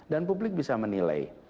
dan publik bisa menilai